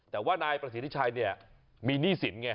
แต่ว่านายประสิทธิชัยเนี่ยมีหนี้สินไง